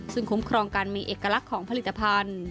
ซึ่งคุ้มครองการมีเอกลักษณ์ของผลิตภัณฑ์